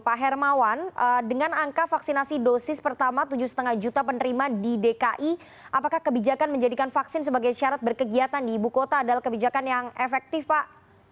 pak hermawan dengan angka vaksinasi dosis pertama tujuh lima juta penerima di dki apakah kebijakan menjadikan vaksin sebagai syarat berkegiatan di ibu kota adalah kebijakan yang efektif pak